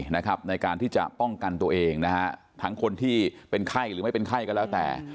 ในการที่จะป้องกันตัวเองนะฮะทั้งคนที่เป็นไข้หรือไม่เป็นไข้ก็แล้วแต่